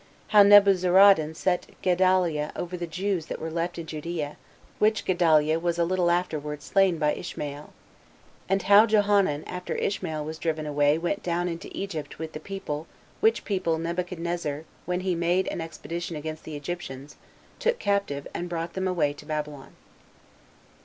How Nebuzaradan Set Gedaliah Over The Jews That Were Left In Judea Which Gedaliah Was A Little Afterward Slain By Ishmael; And How Johanan After Ishmael Was Driven Away Went Down Into Egypt With The People Which People Nebuchadnezzar When He Made An Expedition Against The Egyptians Took Captive And Brought Them Away To Babylon.